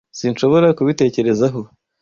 Sinshobora kubitekerezaho.